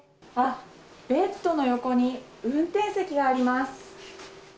ベッドの横に運転席がありま